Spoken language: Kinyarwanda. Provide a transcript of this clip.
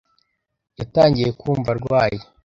Yatangiye kumva arwaye .